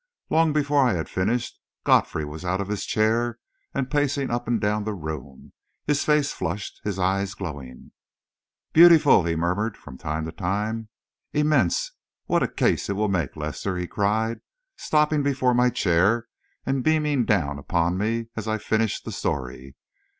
Long before I had finished, Godfrey was out of his chair and pacing up and down the room, his face flushed, his eyes glowing. "Beautiful!" he murmured from time to time. "Immense! What a case it will make, Lester!" he cried, stopping before my chair and beaming down upon me, as I finished the story.